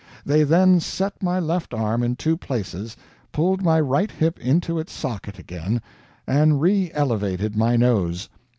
They then set my left arm in two places, pulled my right hip into its socket again, and re elevated my nose.